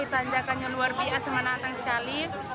itu hanya kan yang luar biasa menantang sekali